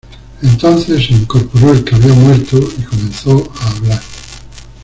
Entonces se incorporó el que había muerto, y comenzó á hablar.